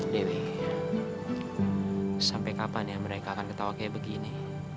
dewi sampai kapan ya mereka akan ketawa kayak begini